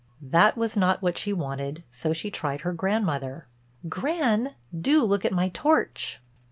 That was not what she wanted so she tried her grandmother: "Gran, do look at my torch."